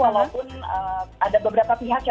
walaupun ada beberapa pihak yang sudah mulai tertarik